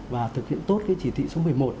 và thực hiện tốt cái chỉ thị số một mươi một